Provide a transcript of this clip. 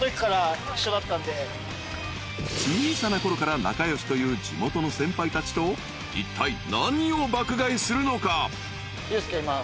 ［小さなころから仲良しという地元の先輩たちといったい何を爆買いするのか？］